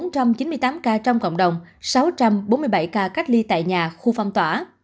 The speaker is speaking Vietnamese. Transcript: trong hai một trăm năm mươi tám ca trong cộng đồng sáu trăm bốn mươi bảy ca cách ly tại nhà khu phong tỏa